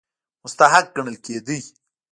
مستحق ګڼل کېدی.